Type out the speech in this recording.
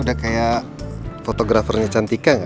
udah kaya fotografernya cantika ga